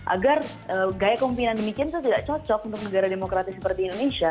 agar gaya kemimpinan demikian itu tidak cocok untuk negara demokratis seperti indonesia